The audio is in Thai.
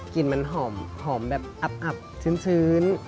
กลิ่นมันหอมแบบอับชื้น